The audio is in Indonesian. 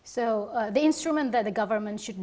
bagaimana kita bisa melakukan